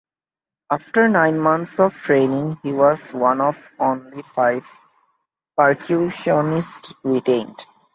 After nine months of training, he was one of only five percussionists retained.